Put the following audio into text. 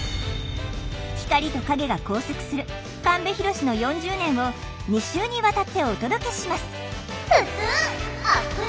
光と影が交錯する神戸浩の４０年を２週にわたってお届けします！